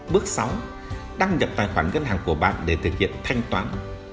bước sáu đăng nhập tài khoản ngân hàng của bạn để thực hiện thanh toán